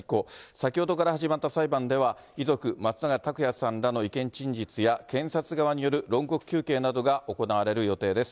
先ほどから始まった裁判では、遺族、松永拓也さんらの意見陳述や、検察側による論告求刑などが行われる予定です。